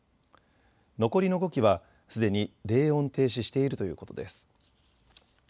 残りの５基はすでに冷温停止しているということです。